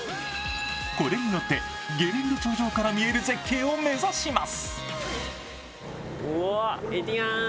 これに乗ってゲレンデ頂上から見える絶景を目指します。